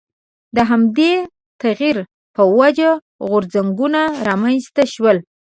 د همدې تغییر په وجه غورځنګونه رامنځته شول.